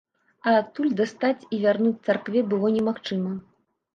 А адтуль дастаць і вярнуць царкве было немагчыма.